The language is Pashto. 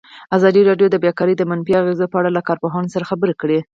ازادي راډیو د بیکاري د منفي اغېزو په اړه له کارپوهانو سره خبرې کړي.